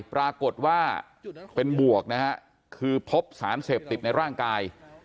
ปรากฏว่าเป็นบวกนะฮะคือพบสารเสพติดในร่างกาย